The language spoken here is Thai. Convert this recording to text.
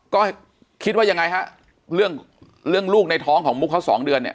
ก็คิดว่ายังไงฮะเรื่องเรื่องลูกในท้องของมุกเขาสองเดือนเนี่ย